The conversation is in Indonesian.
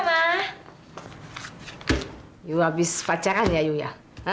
kau habis pacaran ya ya